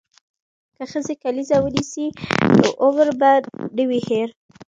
که ښځې کلیزه ونیسي نو عمر به نه وي هیر.